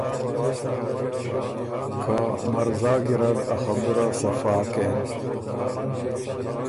که مرزا ګیرډ ا خبُره صفا کېم۔